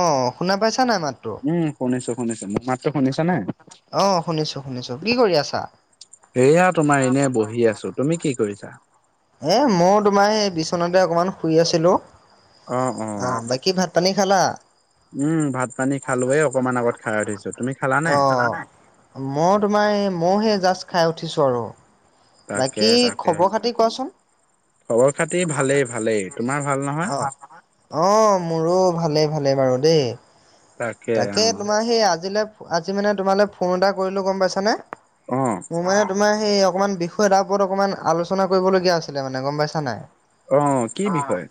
অ', শুনা পাইছা নাই মাতটো? উম শুনিছো শুনিছো। মোৰ মাতটো শুনিছা নে? অ শুনিছো শুনিছো কি কৰি আছা? সেয়া তোমাৰ এনে বহি আছো তুমি কি কৰিছা? এই মইও তোমাৰ এই বিচনাতে অকণমান শুই আছিলোঁ, অ বাকী ভাত পানী খালা? উম ভাত পানী খালো অকমান আগত খাই উঠি। তুমি খালা নে? অ'। মই তোমাৰ এই মইহে জাষ্ট খাই উঠিছো আৰু। তাকে বাকী তাকে খবৰ খাতি কোৱাচোন। খবৰ খাতি ভালেই ভালেই। তোমাৰ ভাল নহয়? অ'। অ মোৰো ভালেই ভালেই বাৰু দেই। তাকে তোমাৰ সেই আজিলৈ আজি মানে তোমালে ফোন এটা কৰিলো গম পাইছানে অ'। মোৰ মানে তোমাৰ সেই অকনমান বিষ য়ে ওপৰত অকণমান আলোচনা কৰিবলগীয়া আছিলে মানে গম পাইছা নাই। অ কি বিষয়?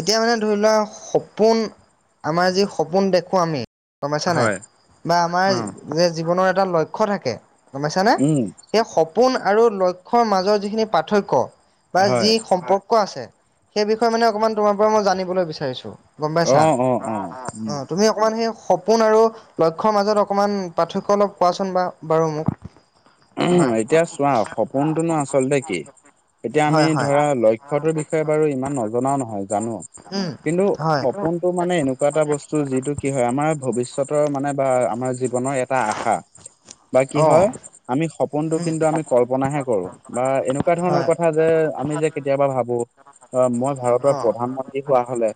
এতিয়া মানে ধৰি লোৱা সপোন আমাৰ যি সপোন দেখো আমি, গমপাইচা নাই হয়, বা আমাৰ অ', যে জীৱনৰ এটা লক্ষ্য থাকে, গমাইছানে উম, সেই সপোন আৰু লক্ষ্যৰ মাজৰ যিখিনি পাৰ্থক্য বা হয়, যি সম্পৰ্ক আছে সেই বিষয়ে মানে অকমান তোমাৰ পৰা মই জানিবলৈ বিচাৰিছো। গম পাইছা অ', অ', অ', উম। অ তুমি অকমান সেই সপোন আৰু লক্ষ্যৰ মাজত অকণমান পাৰ্থক্য অলপ কোৱাচোন বা বাৰু মোক। উ হয় এতিয়া চোৱা সপোনটোনো আচলতে কি এতিয়া আমি হয় হয় ধৰা লক্ষ্যটোৰ বিষয়ে বাৰু ইমান নজনাও নহয় জানো উম কিন্তু হয় সপোন টো মানে এনেকুৱা এটা বস্তু যিটো কি হয় আমাৰ ভৱিষ্যতৰ মানে বা আমাৰ জীৱনৰ এটা এটা আষা বা কি অঁ হয় সপোনতটো উম কিন্তু আমি কল্পনাহে কৰো, বা এনেকুৱা ধৰণৰ ওপত হয় কথা যে আমি যে কেতিয়াবা ভাবো অ মই ভাৰতৰ অঁ প্ৰধান মন্ত্ৰী হোৱা হলে,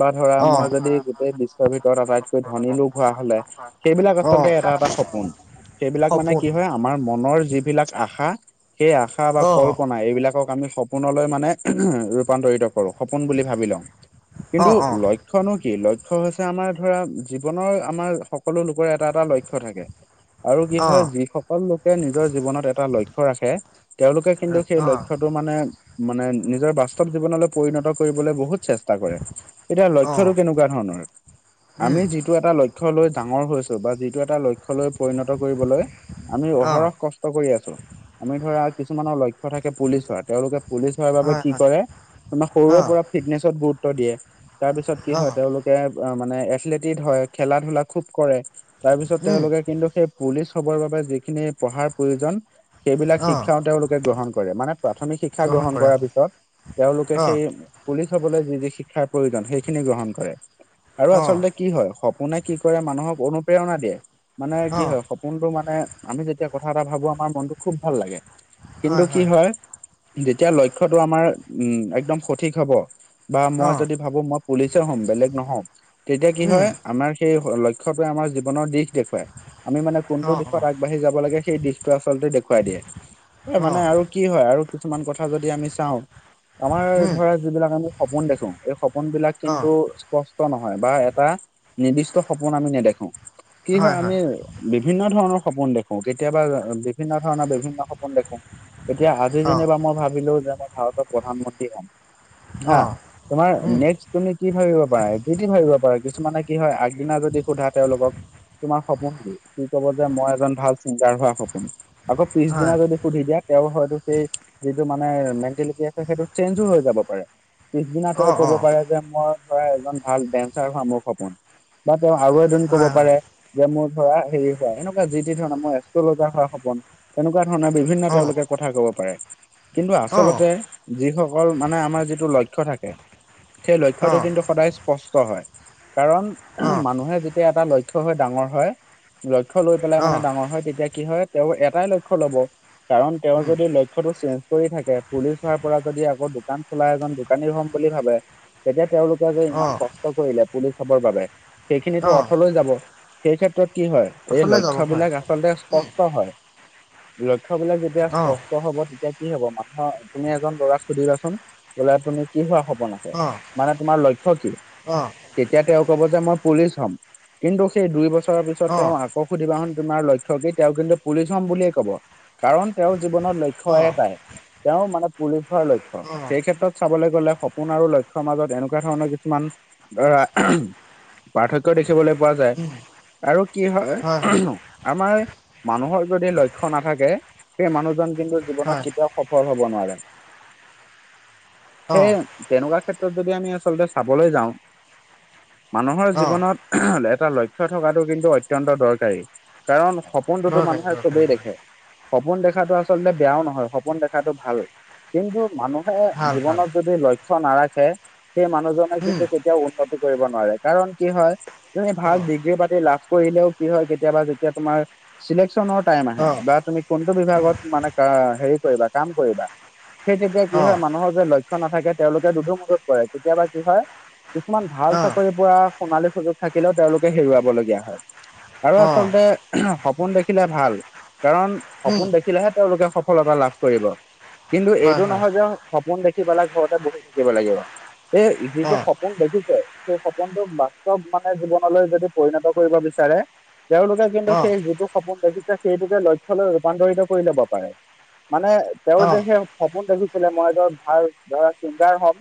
বা ধৰা অঁ মই যদি গোটেই বিশ্বৰ ভিতৰত আটাইতকৈ ধনী লোক হোৱা হলে, সেইবিলাক অঁ আচলতে এটা এটা সপোন সেইবিলাক মানে সপোন কি হয় আমাৰ মনৰ যিবিলাক আশা সেই আশা বা অ', অ', অ', কল্পনা এইবিলাকক আমি স সপোনলৈ মানে ৰূপান্তৰিত কৰো সপোন বুলি ভাবি লওঁ। কিন্তু লক্ষ্য লক্ষ্য নো কি লক্ষ্য হৈছে আমাৰ ধৰা জীৱনৰ আমাৰ সকলো লোকৰ এটা এটা লক্ষ্য থাকে। আৰু কি হয় অ', যি লোকে নিজৰ জীৱনত এটা লক্ষ্য ৰাখে তেওঁলোকে কিন্তু সেই অ', লক্ষ্যটো মানে মানে নিজৰ বাস্তৱ জীৱনলৈ পৰিণত কৰিবলৈ বহুত চেষ্টা কৰে। এতিয়া লক্ষ্যটো অ', কেনেকুৱা ধৰণৰ উম, আমি যি যিটো এটা লক্ষ্য লৈ ডাঙৰ হৈছো বা যিটো এটা লক্ষ্য লৈ পৰিণত কৰিবলৈ আমি অ', অহৰহ কষ্ট কৰি আছো আমি ধৰা কিছুমানৰ লক্ষ্য থাকে পুলিচ হোৱা তেওঁলোকে। পুলিচ হোৱাৰ বাবে হয়, কি হয়, কৰে আমাক সৰুৰে অ', পৰা ফিটনেচত গুৰুত্ব দিয়ে তাৰ পিছত কি হয় অ', তেওঁলোকে। তে মানে এথলেটিক হয় খেলা- ধূলা খুব কৰে তাৰ পিছত উম, তেওঁলোকে কিন্তু সেই। পুলিচ হ'বৰ বাবে যিখিনি পঢ়াৰ প্ৰয়োজন। সেইবিলাক অ', শিক্ষাও তেওঁলোকে গ্ৰহণ কৰে, মানে প্ৰাথমিক শিক্ষা গ্ৰহণ কৰা কৰাৰ হয়, পিছত তেওঁলোকে অ', সেই পুলিচ হ'বলৈ যি যি শিক্ষাৰ প্ৰয়োজন সেইখিনি গ্ৰহণ কৰে। আৰু অ', আচলতে কি হয় সপোনে কি কৰে মানুহক অনুপ্ৰেৰণা দিয়ে মানে কি অ', হয় সপোনটো মানে আমি যেতিয়া কথা এটা ভাবো আমাৰ মনটো খুব ভাল লাগে, কিন্তু কি হয় যেতিয়া লক্ষ্যটো আমাৰ উম একদম সঠিক হব। বা মই অ', যদি ভাবো মই পুলিচে হম বেলেগ নহম তেতিয়া কি উম, হয়। আমাৰ সেই লক্ষ্যটোৱে আমাৰ জীৱনৰ দিশ দেখুৱাই আমি মানে কোনটো অ', দিশত। অ', বাঢ়ি যাব লাগে সেই দিশতটো আচলতে দেখুৱাই দিয়ে এ মানে অ', আৰু। কি হয় আৰু কিছুমান কথা যদি আমি চাওঁ। আমাৰ উম, ধৰা যিবিলাক আমি সপোন দেখো এই সপোন বিলাক কিন্তু অ', স্প ত নহয় বা এটা নিৰ্দিষ্ট সপোন আমি নেদেখো কি হয় আমি। বিভিন্ন ধৰণৰ সপোন দেখো কেতিয়াবা আ বিভিন্ন ধৰণৰ বিভিন্ন সপোন দেখো। এতিয়া আজি অ', যেনিবা মই ভাবিলো যে মই ভাৰতৰ প্ৰধানমন্ত্ৰী হ'ম। হা অ', তোমাৰ উম, নেক্স। তুমি কি ভাবিব পাৰা যি টি ভাবিব পাৰা কিছুমানে কি হয় আগদিনা যদি সোধা তেওঁলোকক। তোমাৰ সপোন কি সি কব যে মই এজন ভাল চিংগাৰ হোৱা সপোন আকৌ পিছদিনা হয়, যদি। সুধি দিয়া তেওঁ হয়তো সেই যিটো মানে মেণ্টেলিটি আছে সেইটো চেঞ্জো হৈ যাব পাৰে। পিছদিনা তেওঁ অ', অ', হয়, হয়, অ', অ', অ', অ', ক'ব পাৰে যে মই ধৰা এজন ভাল ডেন্সাৰ হোৱা মোৰ সপোন। বা তেওঁ আৰু এদিন ক'ব অ', পাৰে যে মোৰ ধৰা হেৰি হোৱা এনে কোৱা যি টি ধৰণৰ মই এষ্ট্ৰলোজাৰ হোৱা সপোন তেনেকুৱা ধৰণৰ বিভিন্ন তেওঁলোকে কথা ক'ব পাৰে। কিন্তু আচলতে যিসকল মানে আমাৰ যিটো লক্ষ্য থাকে। সেই লক্ষ্যটো কিন্তু সদায় স্পষ্ট হয় কাৰণ মানুহে যেতিয়া এটা ল ক্ষ্য হৈ ডাঙৰ হয়, লক্ষ্য লৈ পেলাই মানে ডাঙৰ হয় তেতিয়া কি হয় তেওঁৰ এটাই লক্ষ্য লব। কাৰণ তেওঁ উম, যদি ল ক্ষ্যটো চেঞ্জ কৰি থাকে, পুলিচ হোৱাৰ পৰা যদি আকৌ দোকান খোলা এজন দোকানী হম বুলি ভাবে। তেতিয়া তেওঁলোকে যে ইমান অ', কষ্ট কৰিলে পুলিচ হবৰ বাবে সেইখিনিতো অ', অৰ্থলৈ যাব। সেই ক্ষেত্ৰত কি হয় এই পথলে যাব লক্ষ্য হয়, বিলাক আচলতে উম, স্পষ্ট হয়। লক্ষ্য বিলাক যেতিয়া স্প। অ', ষ্ট হ'ব তেতিয়া কি হ'ব মানুহৰ তুমি এজন ল'ৰাক সুধিবাচোন বোলে তুমি কি হোৱা সপোন আ ছে অ', অ', মানে তোমাৰ লক্ষ্য কি? অ', তেতিয়া তেওঁ ক'ব যে মই পুলিচ হ'ম কিন্তু সেই দুই বছৰৰ পিছত তেওঁ অ', আ- কৌ সুধিবা হন তোমাৰ লক্ষ্য কি তেওঁ কিন্তু পুলিচ হম বুলিয়ে কব কাৰণ তেওঁৰ জীৱনত ল ক্ষ্য এটাই তেওঁ মানে পুলিচৰ লক্ষ্য। অ', সেই ক্ষেত্ৰত চাবলৈ গলে সপোন আৰু লক্ষ্যৰ মাজত এনেকুৱা ধৰণৰ কিছুমান। ধৰা পাৰ্থক্য দেখিবলৈ পোৱা যায় উম, আৰু কি হয়। আমাৰ মানুহৰ যদি লক্ষ্য নাথাকে সেই মানুহজন কিন্তু জীৱনত হয় কেতিয়াও। সফল হব নোৱাৰে, সেয়ে অ', তেনেকুৱা ক্ষেত্ৰত যদি আমি আচলতে চাবলৈ যাওঁ, মানুহৰ অ', জীৱনত এটা লক্ষ্য থকাটো কিন্তু অত্যন্ত দৰকাৰী কাৰণ স সপোটোতো দৰকাৰী মানুহে দৰকাৰী চবেই হয় দেখে। সপোন দেখাটো আচলতে বেয়াও নহয়, সপোন দেখাটো ভাল কিন্তু মানুহ হে ভাল ভাল জীৱনত যদি লক্ষ্য নাৰাখে সেই মানুহজনে উম, কিন্তু কে তিয়াও উন্নতি কৰিব নোৱাৰে কাৰণ কি হয় তুমি ভাল অ', ডিগ্ৰী পাতি লাভ কৰিলেও কি হয় কেতিয়াবা যেতিয়া তোমাৰ চিলেকচনৰ টাইম আহে অ', বা তুমি কোনটো বিভাগত মানে কা হেৰি কৰিবা কাম কৰিবা, সেই তেতিয়া কি হয় অ', মানুহৰ যে ল ক্ষ্য নাথাকে তেওঁলোকে দুধো মুধত পৰে কেতিয়াবা কি হয় কিছুমান ভাল অ', চাকৰি পৰা সোণালী সুযোগ থাকিলেও তেওঁলোকে হেৰুৱাবলগীয়া হয়। আৰু অ', আচলতে উহম সপোন দেখিলে ভাল। কাৰণ উম, সপোন দেখিলেহে তেওঁলোকে সফলতা লাভ কৰিব। কিন্তু হয় এইটো হয় নহয় যে সপোন দেখি পেলাই ঘৰতে বহি থাকিব লাগিব। এই যিটো অ', সপোন দেখিছে সেই সপোনটোক বাস্তৱ মানে জীৱনলৈ যদি পৰিণত কৰিব বিচাৰে তেওঁলোকে কিন্তু অ', সেই যিটো সপোন দেখিছে, সেইটোকে লক্ষ্য লৈ ৰূপান্তৰিত কৰি ল'ব পাৰে। মানে তেওঁ যে অ', সেই সপোন দেখিছিলে মই এজন ভাল ধৰা চিংগাৰ হম।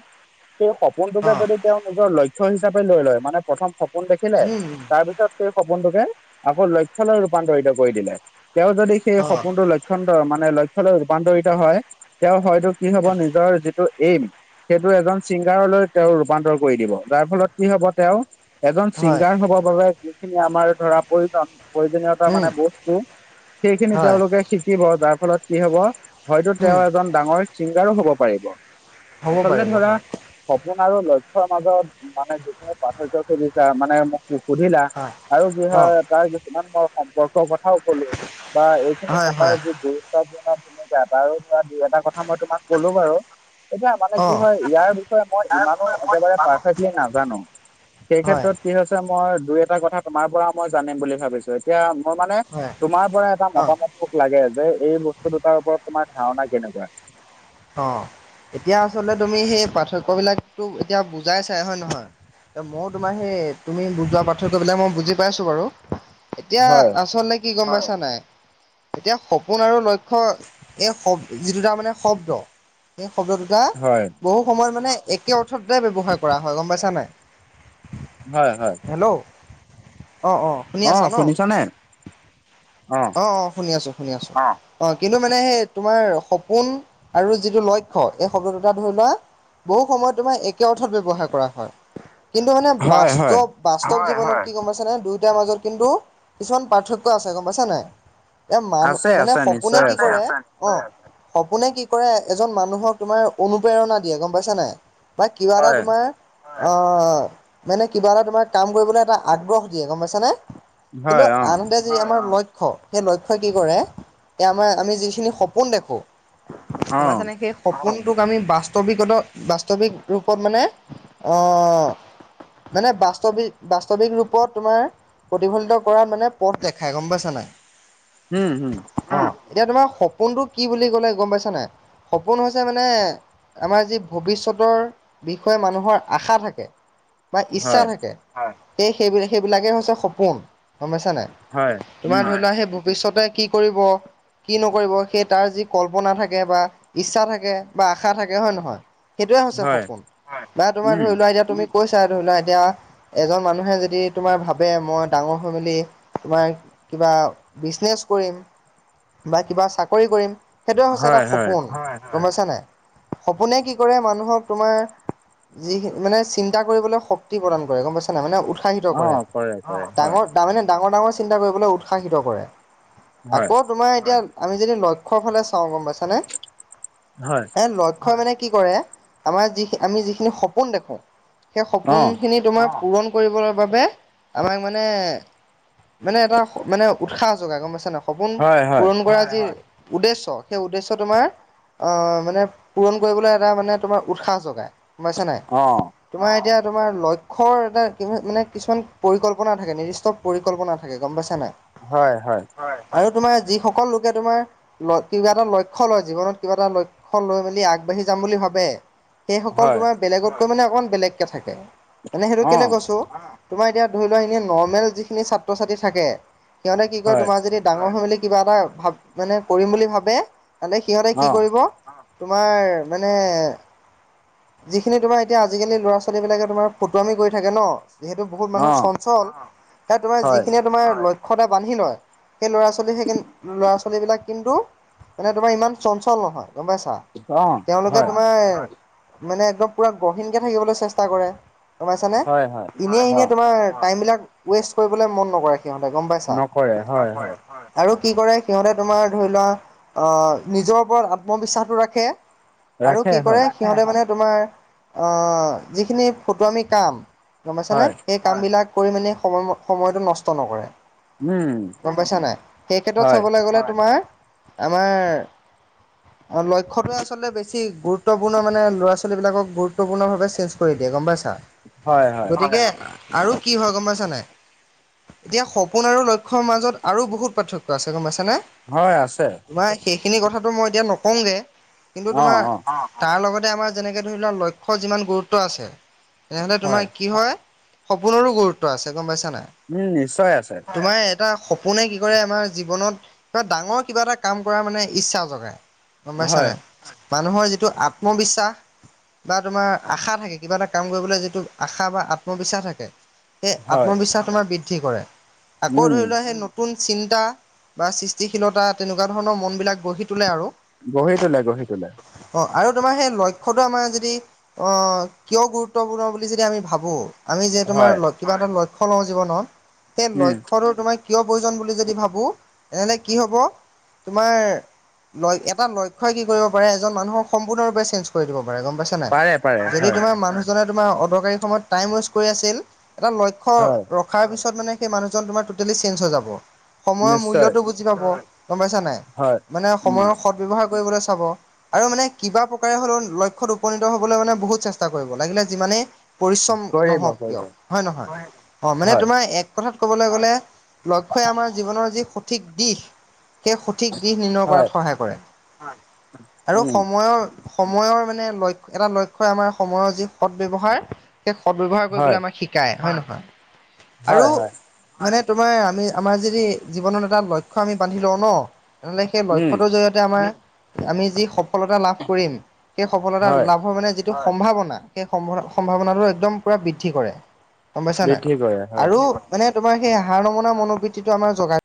সেই সপোনটোকে অ', যদি তেওঁ নিজৰ লক্ষ্য হিচাপে লৈ লয়, মানে প্ৰথম সপোন দেখিলে উম, উম, তাৰপিছত সেই সপোনটোকে আকৌ লক্ষ্য লৈ ৰূপান্তৰিত কৰি দিলে। তেওঁ যদি সেই অ', সপোনটো লক্ষন্তৰ মানে লক্ষ্য লৈ ৰূপান্তৰিত হয়। তেওঁ হয়তো কি হ'ব নিজৰ যিটো এইম সেইটো এজন ছিংগাৰলৈ তেওঁ ৰূপান্তৰ কৰি দিব, যাৰ ফলত কি হ'ব তেওঁ এজন হয় চিংগাৰ হ'বৰ বাবে যিখিনি আমাৰ ধৰা প্ৰয়োজন, প্ৰয়োজনীয়তা মানে উম, বস্তু সেইখিনি হয় তেওঁলোকে শিকিব। যাৰ ফলত কি হ'ব? হয়তো উম, তেওঁ এজন ডাঙৰ ছিংগাৰো হ'ব পাৰিব। হ'ব আচলতে পাৰিব ধৰা হয় সপোন আৰু লক্ষ্যৰ মাজত মানে যিখিনি পাৰ্থক্য খুজিছা মানে মোক সু সুধিলা হয় আৰু কি অ', হয় তাৰ কিছুমান মই সম্পৰ্কৰ কথাও কলো। বা এইখিনি হয় থকাৰ হয় যি গুৰুত্বপুৰ্ণ ভূমিকা তাৰো ধৰা দুই এটা কথা মই তোমাক ক'লো বাৰু। এতিয়া মানে কি অ', হয় ইয়াৰ বিষয়ে মই ইমানো একেবাৰে পাৰফেক্টলি নাজানো। সেই হয় ক্ষেত্ৰত কি হৈছে মই দুই এটা কথা তোমাৰ পৰা মই জানিম বুলি ভাবিছোঁ। এতিয়া মই মানে হয় তোমাৰ পৰা এটা অ', মতামত মোক লাগে যে এই বস্তু দুটাৰ ওপৰত তোমাৰ ধাৰণা কেনেকুৱা? অঁ। এতিয়া আচলতে তুমি সেই পাৰ্থক্য বিলাকতো এতিয়া বুজাই চাই, হয় নহয়? এ মও তোমাৰ সেই তুমি বুজোৱা পাৰ্থক্য বিলাক মই বুজি পাইছোঁ বাৰু। এতিয়া হয় আচলতে কি গম পাইছা নাই? এতিয়া সপোন আৰু লক্ষ্য এই শব যি দুটা মানে শব্দ এই শব্দ দুটা হয় বহু সময়ত মানে একে অৰ্থতে ব্যৱহাৰ কৰা হয়। গম পাইছা নাই? হয় হয়। হেল্ল' অঁ অঁ। অঁ শুনিছ নে? অঁ। অঁ শুনি আছোঁ শুনি আছোঁ। অঁ, অঁ কিন্তু মানে সেই তোমাৰ সপোন আৰু যিটো লক্ষ্য‌ এই শব্দ দুটা ধৰি লোৱা বহু সময়ত তোমাৰ একে অৰ্থত ব্যৱহাৰ কৰা হয়। কিন্তু মানে হয় হয় বাস্তৱ বাস্তৱ, হয় হয়, জীৱনত কি গম পাইছা নে? দুয়োটাৰ মাজত কিন্তু কিছুমান পাৰ্থক্য আছে গম পাইছা নাই? এ মানুহ আছে মানে আছে সপোনে নিশ্চয় কি আছে। কৰে? অঁ সপোনে কি কৰে এজন মানুহক তোমাৰ অনুপ্ৰেৰণা দিয়ে গম পাইছা নাই? বা কিবা এটা হয় তোমাৰ অঁ মানে কিবা এটা তোমাৰ কাম কৰিবলৈ এটা আগ্ৰহ দিয়ে গম পাইছানে? কিন্তু হয় অঁ আনহাতে যদি আমাৰ ল লক্ষ্য, সেই লক্ষ্যই কি কৰে এই আমাৰ আমি যিখিনি সপোন দেখো, গম অঁ পাইছা নে? সেই সপোনটোক আমি বাস্তৱিকত বাস্তৱিক ৰূপত মানে অঁহ মানে বাস্তৱিক বাস্তৱিক ৰূপত তোমাৰ প্ৰতিফলিত কৰাৰ মানে পথ দেখাই গম পাইছা নাই? উম হোম। অঁ, এতিয়া তোমাৰ সপোনটো কি বুলি ক'লে গম পাইছা নাই? সপোন হৈছে মানে আমাৰ যি ভৱিষ্যতৰ বিষয়ে মানুহৰ আশা থাকে। বা ইচ্ছা হয় থাকে সেই সেইবিলাক সেইবিলাকে হৈছে সপোন গম পাইছানে। হয়, উম, হেই ভৱিষ্যতে কি কৰিব? কি নকৰিব সেই তাৰ যি কল্পনা থাকে বা ইচ্ছা থাকে বা আশা থাকে হয় নহয়। সেইটোৱে হৈছে হয় সপোন বা তোমাৰ উম ধৰি লোৱা এতিয়া তুমি কৈছা ধৰি লোৱা এতিয়া এজন মানুহে যদি তোমাৰ ভাবে মই ডাঙৰ হৈ মেলি তোমাৰ কিবা বিজনেছ কৰিম বা কিবা চাকৰি কৰিম সেইটোৱে হৈছে এটা সপোন। হয়। গম পাইছা নাই? সপোনে কি কৰে মানুহক তোমাৰ যি মানে চিন্তা কৰিবলৈ শক্তি প্ৰদান কৰে গম পাইছা নাই মানে উৎসাহিত কৰে অঁ কৰে হয় ডাঙৰ তাৰ মানে ডাঙৰ - ডাঙৰ চিন্তা কৰিবলৈ উৎসাহিত কৰে। হয় আকৌ তোমাৰ এতিয়া আমি যদি লক্ষ্যৰ ফালে চাও গম পাইছানে। হয়। লক্ষ্যই মানে কি কৰে আমাৰ যি আমি যিখিনি সপোন দেখো সেই অঁ সপোনখিনিত তোমাক পূৰণ কৰিবলৈ বাবে আমাক মানে - মানে এটা মানে উৎসাহ যোগায় গম পাইছা ন সপোন হয় হয় পূৰণ কৰা যি উদ্দেশ্য সেই উদ্দেশ্য তোমাৰ অ, মানে পূৰণ কৰিবলৈ এটা মানে তোমাৰ উৎসাহ যোগায় গম পাইছা নাই। অ', তোমাৰ এতিয়া তোমাৰ লক্ষ্যৰ এটা মানে কিছুমান পৰিকল্পনা থাকে নিৰ্দিষ্ট পৰিকল্পনা থাকে গম পাইছা নাই। হয় - হয়। হয় আৰু তোমাৰ যিসকল লোকে তোমাৰ ল কিবা এটা লক্ষ্য লয় জীৱনত কিবা এটা লক্ষ্য লৈ মেলি আগবাঢ়ি যাম বুলি ভাবে। সেইসকল হয় তোমাৰ বেলেগতকৈ মানে অকমান বেলেগকে থাকে মানে সেইটো কেলে অঁ কৈছো তোমাৰ এতিয়া ধৰি লোৱা এনে নৰ্মেল যিখিনি ছাত্ৰ ছাত্ৰী থাকে সিহঁতে কি কৰে হয় তোমাৰ যদি ডাঙৰ হৈ মেলি কিবা এটা ভাবে মানে কৰিম বুলি ভাবে তে সিহঁতে কি অঁ কৰিব তোমাৰ মানে যিখিনি তোমাৰ এতিয়া আজি কালি ল'ৰা ছোৱালী বিলাকে তোমাৰ ফটুৱামী কৰি থাকে ন যিহেতু বহুত মানুহ অঁ চঞ্চল সে তোমাৰ হয় যিখিনিয়ে তোমাৰ লক্ষ্য এটা বান্ধি লয় সেই ল'ৰা ছোৱালী সেই ল'ৰা ছোৱালী বিলাক কিন্তু। তোমাৰ ইমান চঞ্চল নহয় গম পাইছা। অঁ তেওঁলোকে হয় তোমাৰ মানে একদম পুৰা গহীনকে থাকিবলৈ চেষ্টা কৰে। গমপাইছানে হয় হয় এনেই - এনেই অঁ তোমাৰ টাইমবিলাক ৱেষ্ট কৰিবলৈ মন নকৰে। সিহঁতে গম পাইছা। নকৰে হয় হয় আৰু কি কৰে সিহঁতে তোমাৰ ধৰি লোৱা অহ, নিজৰ ওপৰত আত্মবিশ্বাসটো ৰাখে। আৰু ৰাখে কি কৰে হয় সিহঁতে মানে তোমাৰ আহ, যিখিনি ফটোৱামি কাম গমাপাইছানে হয় সেই কামবিলাক কৰি মানি সময় সময়টো নষ্ট নকৰে। উম গম পাইছা নাই সেই ক্ষেত্ৰত হয় চাবলৈ গ'লে তোমাৰ আমাৰ লক্ষ্যটোৱে আচলতে বেছি গুৰুত্ব। সম্পূৰ্ণ মানে ল'ৰা ছোৱালীবিলাকক গুৰুত্বপূৰ্ণভাৱে চেঞ্জ কৰি দিয়ে গম পাইছা হয় হয় গতিকে আৰু কি হয় গম পাইছা নাই এতিয়া সপোন আৰু লক্ষ্যৰ মাজত আৰু বহুত পাৰ্থক্য আছে গম পাইছেনে হয় আছে। তোমাৰ সেইখিনি কথাটো মই এতিয়া নকওঁ গে কিন্তু অঁ তোমাৰ অঁ তাৰ লগতে আমাৰ যেনেকে ধৰি লোৱা লক্ষ্য যিমান গুৰুত্ব আছে তেনেহলে হয় তোমাৰ কি হয়। সপোনৰো গুৰুত্ব আছে গম পাইছা নাই। উম নিশ্চয় আছে। তোমাৰ এটা সপোনে কি কৰে আমাৰ জীৱনত কিবা ডাঙৰ কিবা এটা কাম কৰাৰ মানে ইচ্ছা জগায় গম পাইচা হয়, নাই মানুহৰ যি যিটো আত্মবিশ্বাস বা তোমাৰ আশা থাকে কিবা এটা কাম কৰিবলৈ যিটো আশা বা আত্মবিশ্বাস থাকে। সেই হয়, আত্মবিশ্বাস তোমাৰ বৃদ্ধি কৰে আকৌ উম, ধৰি লোৱা সেই নটো নতুন চিন্তা বা সৃষ্টিশীলতা তেনেকুৱা ধৰণৰ মনবিলাক গঢ়ি তোলে আৰু। গঢ়ি তোলে-গঢ়ি তোলে। অ', আৰু তোমাৰ সেই লক্ষ্যটো আমাৰ যদি কিয় গুৰুত্বপূৰ্ণ বুলি যদি আমি ভাবোঁ আমি যে তোমাৰ হয়, কিবা এটা লক্ষ্য় লওঁ জীৱনত সেই উম, লক্ষ্যটো তোমাৰ কিয় প্ৰয়োজন বুলি যদি ভাবো তেনেহ'লে কি হ'ব তোমাৰ। এটা লক্ষ্যই কি কৰিব পাৰে এজন মানুহক সম্পূৰ্ণৰূপে চেঞ্জ কৰি দিব পাৰে গম পাইছা নাই পাৰে, পাৰে, যদি হয়, তোমাৰ মানু অদৰকাৰী সময়ত টাইম ৱেষ্ট কৰী আছিল, এটা লক্ষ্য হয়, খাৰ পিছত মানে সেই মানুহজন তোমাৰ ট'টেলি চেঞ্জ হৈ যাব সময়ৰ নিশ্চয়, মূল্যয়টো বুজি পাব, গম পাইছা নাই? হয়। মানে উম, সময়ৰ সৎ ব্য্য়ৱহাৰ কৰিবলৈ চাব। আৰু মানে কিবা প্ৰকাৰে হলেও লক্ষ্যত উপনীত হবলৈ মানে বহুত চেষ্টা কৰিব লাগিলে যিমানেই পৰিশ্ৰম কৰিব, নহওঁক কৰিব, কিয় হয়ে নহয়? অ', মানে হয়, তোমাৰ এক কথাত ক'বলৈ গ'লে লক্ষ্য়ই আমাৰ জীৱনৰ যি সঠিক দিশ সেই সঠিক সঠিক দিশ নিৰ্ণয় কৰাত হয়, সহায় কৰে। আৰু উম, সময়ৰ-সময়ৰ মানে লক্ষয় এটা লক্ষ্য় আমাৰ সময়ৰ যি সৎ ব্য্য়ৱহাৰ। সেই সদ ব্যৱহাৰ কৰিবলৈ হয়, আমাক শিকায় হয় নহয়? আৰু হয়, হয়, মানে তোমাৰ আমি আমাৰ যদি জীৱনত এটা লক্ষ্য আমি বান্ধি লওঁ ন তেনেহ'লে সেই উম, লক্ষ্যটোৰ জৰিয়তে আমাৰ আমি যি সফলতা লাভ কৰিম, সেই সফলতা হয়, লাভৰ মানে টো সম্ভাৱনা, সেই সম্ সম্ভাৱনা টো একদম পুৰা বৃদ্ধি কৰে। গম পাইছা নাই? বৃদ্ধি কৰে, হয়। আৰু মানে তোমাৰ সেই হাৰ নমুনা মনোবৃত্তিটো আমাৰ জোগা